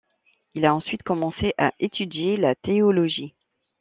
Il a ensuite commencé à étudier la théologie.